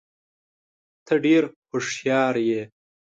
ته ډېر هوښیار یې.